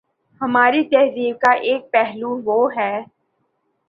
ہماری تہذیب کا ایک پہلو وہ ہے۔